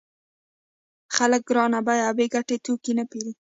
خلک ګران بیه او بې ګټې توکي نه پېري